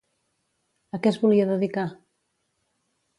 A què es volia dedicar?